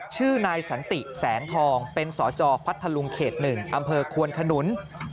ชื่อนายสันติแสงทองเป็นสจพัทธลุงเขต๑อำเภอควนขนุน